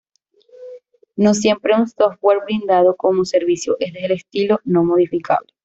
No siempre un software brindado como servicio es del estilo no-modificable.